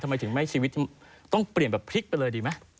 ทำไมถึงไม่ชีวิตที่มันเปลี่ยนแบบพริกไปเลยดีมะ